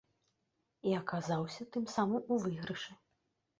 І аказаўся, тым самым, у выйгрышы.